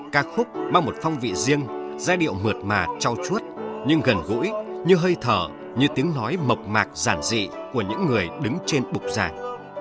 ca khúc mang một phong vị riêng giai điệu mượt mà trao chuốt nhưng gần gũi như hơi thở như tiếng nói mộc mạc giản dị của những người đứng trên bục giảng